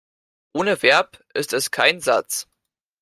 Ohne Verb ist es kein Satz.